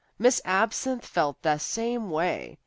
Miss Absinthe felt the same way.